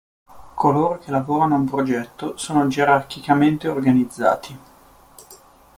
Coloro che lavorano a un progetto sono gerarchicamente organizzati.